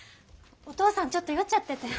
お父さんちょっと酔っちゃってて。